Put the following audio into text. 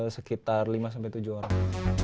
sekitar lima tujuh orang